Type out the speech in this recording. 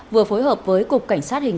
vừa phối hợp với cục cảnh sát đà nẵng